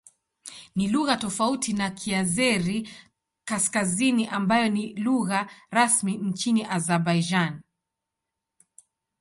Ni lugha tofauti na Kiazeri-Kaskazini ambayo ni lugha rasmi nchini Azerbaijan.